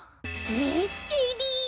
ミステリー！